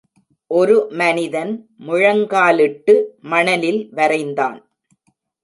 ஒரு மனிதன் முழங்காலிட்டு மணலில் வரைந்தான்